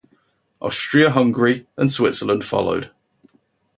Austria-Hungary and Switzerland followed.